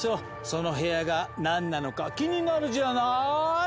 その部屋が何なのか気になるじゃない？